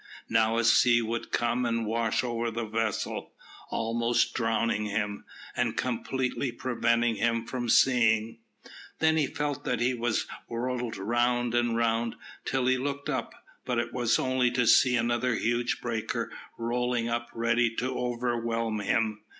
Now a sea would come and wash over the vessel, almost drowning him, and completely preventing him from seeing; then he felt that he was whirled round and round, till he looked up but it was only to see another huge breaker rolling up ready to overwhelm him.